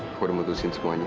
aku udah mutusin semuanya